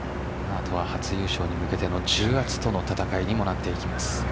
あとは初優勝に向けての重圧との戦いにもなっていきます。